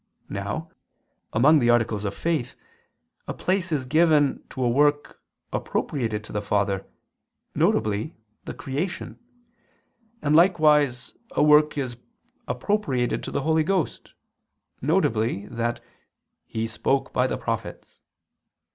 Now, among the articles of faith, a place is given to a work appropriated to the Father, viz. the creation, and likewise, a work appropriated to the Holy Ghost, viz. that "He spoke by the prophets."